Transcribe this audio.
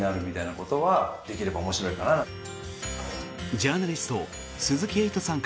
ジャーナリスト鈴木エイトさん